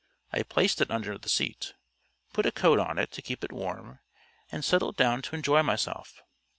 I placed it under the seat, put a coat on it to keep it warm, and settled down to enjoy myself.